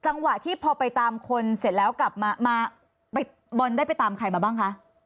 จังหวะที่พอไปตามคนเสร็จแล้วกลับมาบอลได้ไปตามใครมาบ้างคะ